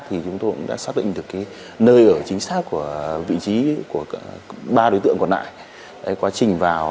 thì chúng tôi đã xác định được cái nơi ở chính xác của vị trí của ba đối tượng còn lại